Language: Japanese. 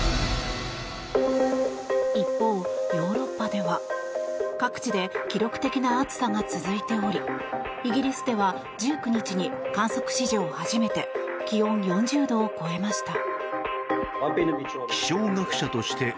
一方、ヨーロッパでは各地で記録的な暑さが続いておりイギリスでは１９日に観測史上初めて気温４０度を超えました。